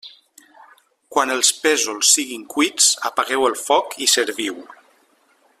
Quan els pèsols siguin cuits, apagueu el foc i serviu.